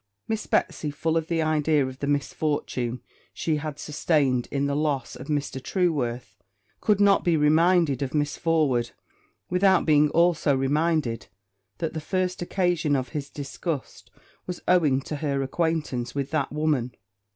Miss Betsy, full of the idea of the misfortune she had sustained in the loss of Mr. Trueworth, could not be reminded of Miss Forward, without being also reminded that the first occasion of his disgust was owing to her acquaintance with that woman.